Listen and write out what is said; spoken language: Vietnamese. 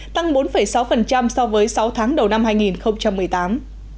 tăng bốn sáu so với cùng kỳ năm hai nghìn một mươi tám